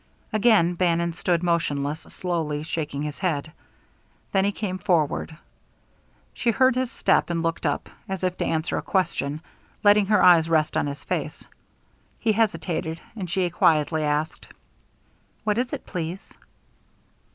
Again Bannon stood motionless, slowly shaking his head. Then he came forward. She heard his step and looked up, as if to answer a question, letting her eyes rest on his face. He hesitated, and she quietly asked: "What is it, please?"